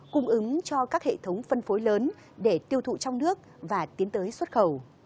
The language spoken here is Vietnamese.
cung ứng cho các hệ thống phân phối lớn để tiêu thụ trong nước và tiến tới xuất khẩu